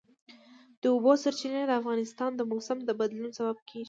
د اوبو سرچینې د افغانستان د موسم د بدلون سبب کېږي.